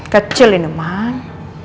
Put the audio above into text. kecil ini emang